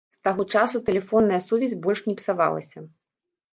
З таго часу тэлефонная сувязь больш не псавалася.